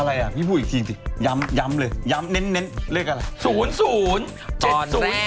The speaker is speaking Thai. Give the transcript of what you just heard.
อะไรอ่ะพี่พูดอีกทีสิย้ำเลยย้ำเน้นเลขอะไร๐๐๘๐